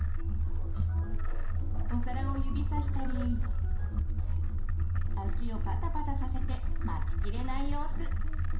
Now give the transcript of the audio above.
お皿を指さしたり足をパタパタさせて待ちきれない様子！